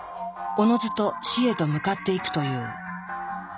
おのずと死へと向かっていくという。